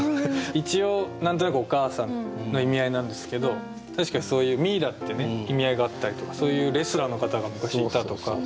一応何となく「お母さん」の意味合いなんですけど確かにそういうミイラってね意味合いがあったりとかそういうレスラーの方が昔いたとかそういうのはありました。